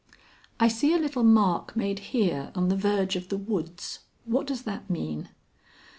"I see a little mark made here on the verge of the woods. What does that mean?"